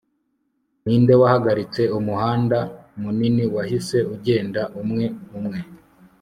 ninde wahagaritse umuhanda munini wahise ugenda umwe umwe